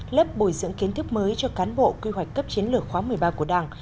lớp bồi dưỡng kiến thức mới cho cán bộ quy hoạch cấp chiến lược khóa một mươi ba của đảng